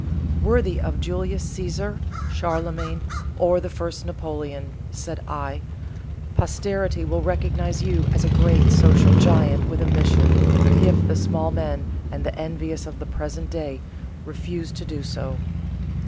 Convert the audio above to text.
"Worthy of Julius Cæsar, Charlemagne, or the first Napoleon," said I; "posterity will recognise you as a social giant with a mission, if the small men and the envious of the present day refuse to do so."